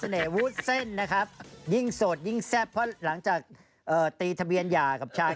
ไม่ใช่มีจจาน